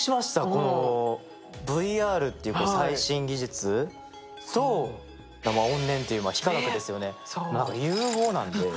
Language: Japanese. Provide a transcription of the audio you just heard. このＶＲっていう最新技術と怨念という非化学ですよね、融合なんで。